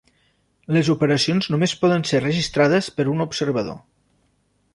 Les operacions només poden ser registrades per un observador.